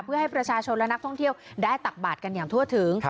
เพื่อให้ประชาชนและนักท่องเที่ยวได้ตักบาดกันอย่างทั่วถึง